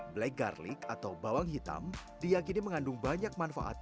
black garlic atau bawang hitam diyakini mengandung banyak manfaatnya